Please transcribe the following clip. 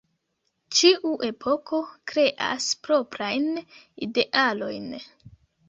Ĉiu epoko kreas proprajn idealojn.